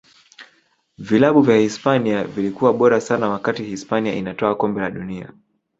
vilabu vya hisipania vilikuwa bora sana wakati hispania inatwaa kombe la dunia